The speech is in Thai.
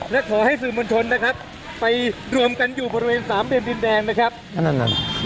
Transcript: และขอให้สื่อมวลชนนะครับไปรวมกันอยู่บริเวณสามเหลี่ยมดินแดงนะครับ